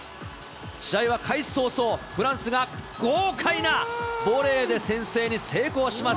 試合は開始早々、フランスが豪快なボレーで先制に成功します。